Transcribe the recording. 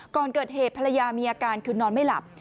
ก่อนเกิดเหตุภรรยามีอาการคือนอนไม่หลับ